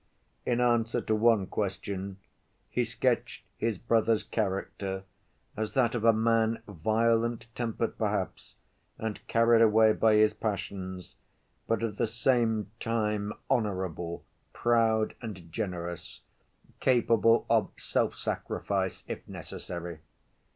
In answer to one question, he sketched his brother's character as that of a man, violent‐tempered perhaps and carried away by his passions, but at the same time honorable, proud and generous, capable of self‐sacrifice, if necessary.